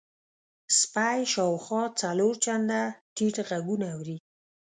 سپی شاوخوا څلور چنده ټیټ غږونه اوري.